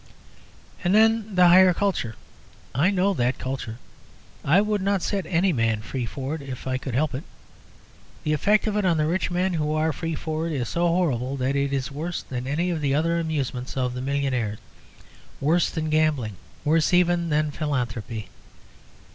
And then the higher culture. I know that culture. I would not set any man free for it if I could help it. The effect of it on the rich men who are free for it is so horrible that it is worse than any of the other amusements of the millionaire worse than gambling, worse even than philanthropy.